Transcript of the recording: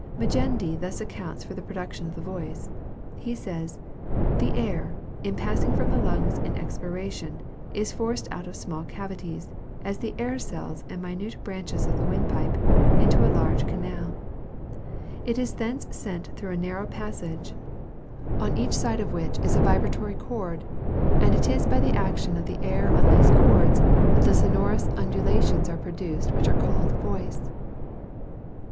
Magendie thus accounts for the production of the voice. He says, "The air, in passing from the lungs in expiration, is forced out of small cavities, as the air cells and the minute branches of the windpipe, into a large canal; it is thence sent through a narrow passage, on each side of which is a vibratory chord, and it is by the action of the air on these chords, that the sonorous undulations are produced which are called voice."